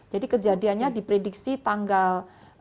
jadi kejadiannya diprediksi tanggal tiga puluh tiga puluh satu